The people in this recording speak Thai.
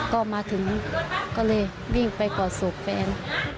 ก็มาถึงก็เลยวิ่งไปกอดศพแฟน